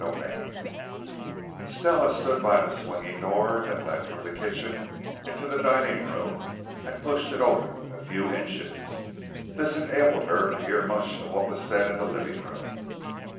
XVIII Stella stood by the swinging door that led from the kitchen into the dining room and pushed it open a few inches. This enabled her to hear much of what was said in the living room.